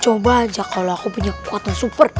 coba aja kalo aku punya kekuatan super